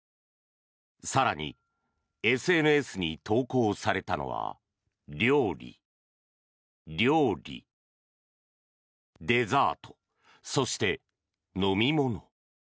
更に、ＳＮＳに投稿されたのは料理、料理、デザートそして、飲み物。